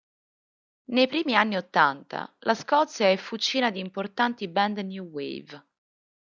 Nei primi anni ottanta la Scozia è fucina di importanti band new wave.